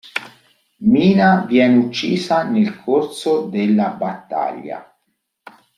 Mina viene uccisa nel corso della battaglia.